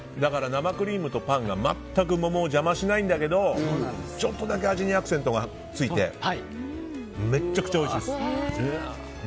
生クリームとパンが全く桃を邪魔しないんだけどちょっとだけ味にアクセントがついてめっちゃくちゃおいしいです。